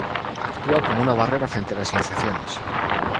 Actúa como una barrera frente a las infecciones.